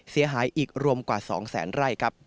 เสียหายอีกรวมกว่า๒๐๐๐๐๐ไร่